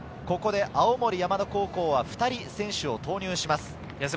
ここで青森山田高校は２人選手を投入します。